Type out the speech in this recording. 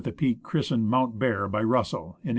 ELIAS christened Mount Bear by Russell in 1891.